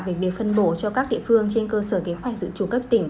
về việc phân bổ cho các địa phương trên cơ sở kế hoạch dự trù cấp tỉnh